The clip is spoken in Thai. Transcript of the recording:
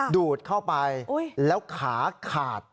ดูดเข้าไปแล้วขาขาด